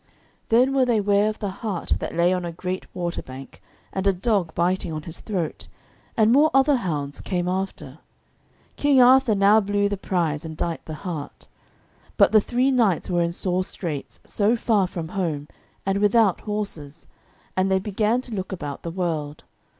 Then were they ware of the hart that lay on a great water bank, and a dog biting on his throat, and more other hounds came after. King Arthur now blew the prize and dight the hart. But the three knights were in sore straits, so far from home, and without horses, and they began to look about the world.